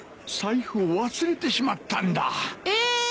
財布を忘れてしまったんだ。え！？